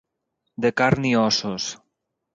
De carn i ossos.